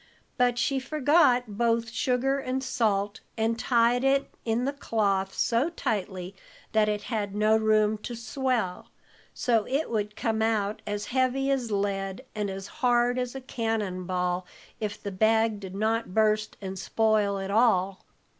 But she forgot both sugar and salt, and tied it in the cloth so tightly that it had no room to swell, so it would come out as heavy as lead and as hard as a cannon ball, if the bag did not burst and spoil it all.